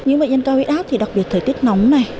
những bệnh nhân cao ít ác đặc biệt thời tiết nóng này